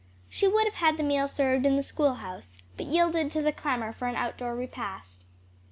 She would have had the meal served in the schoolhouse, but yielded to the clamor for an out door repast.